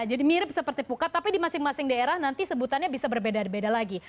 jadi mirip seperti pukat tapi di masing masing daerah nanti sebutannya bisa berbeda beda lagi